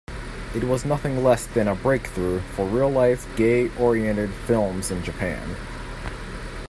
It was nothing less than a breakthrough for real life gay-oriented films in Japan.